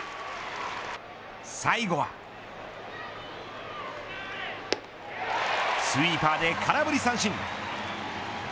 最後はスイーパーで空振り三振。